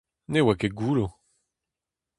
Ne oa ket goullo !